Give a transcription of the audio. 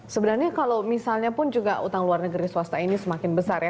sebenarnya kalau misalnya pun juga utang luar negeri swasta ini semakin besar ya